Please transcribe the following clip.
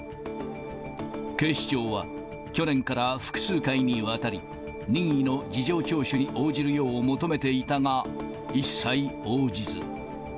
警視庁は、去年から複数回にわたり、任意の事情聴取に応じるよう求めていたが、一切応じず。